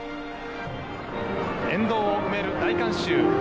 沿道を埋める大観衆。